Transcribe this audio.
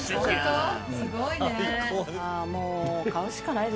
すごいね。